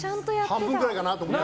半分ぐらいかなと思ったら。